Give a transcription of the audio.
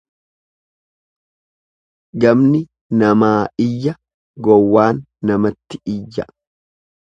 Gamni namaa iyya gowwaan namatti iyya.